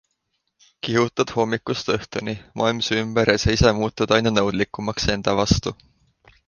Kihutad hommikust õhtuni, maailm su ümber ja sa ise muutud aina nõudlikumaks enda vastu.